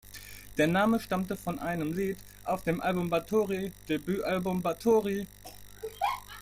Der Name stammte von einem Lied auf dem Bathory-Debütalbum "Bathory".